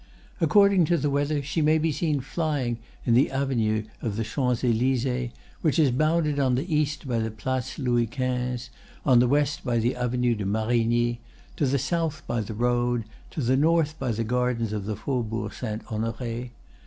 According to the weather, she may be seen flying in the Avenue of the Champs Élyseés, which is bounded on the east by the Place Louis XV., on the west by the Avenue de Marigny, to the south by the road, to the north by the gardens of the Faubourg Saint Honoré.